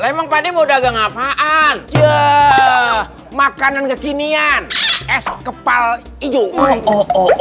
lemong padi muda genggam anjur makanan kekinian es kepal ijo